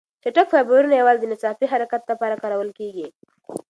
چټک فایبرونه یوازې د ناڅاپي حرکت لپاره کارول کېږي.